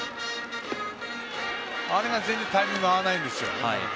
あれが全然タイミング合わないんですよね。